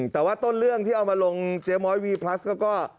แต่ว่าต้นเรื่องที่เอามาลงเจ๊ม้อยวีพลัสก็